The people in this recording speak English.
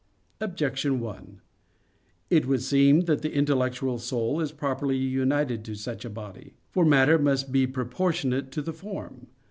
Objection 1: It would seem that the intellectual soul is improperly united to such a body. For matter must be proportionate to the form.